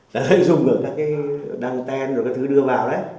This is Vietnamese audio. đấy dùng được các cái đăng ten các thứ đưa vào đấy